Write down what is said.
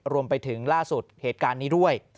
รวมไปถึงล่าสุดเหตุการณ์นี้ด้วย